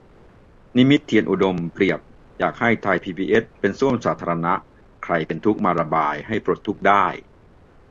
นิมิตร์ เทียนอุดม เปรียบ อยากให้ไทยพีบีเอสเป็นส้วมสาธารณะ ใครเป็นทุกข์มาระบายให้ปลดทุกข์ได้